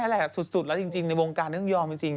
แหละสุดแล้วจริงในวงการต้องยอมจริง